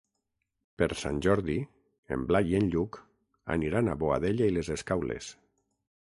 Per Sant Jordi en Blai i en Lluc aniran a Boadella i les Escaules.